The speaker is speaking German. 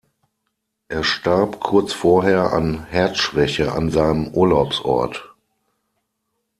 Er starb kurz vorher an Herzschwäche an seinem Urlaubsort.